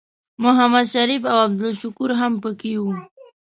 محمد شریف او عبدالشکور هم پکې وو.